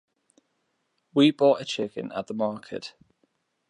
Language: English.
We bought a chicken at the market.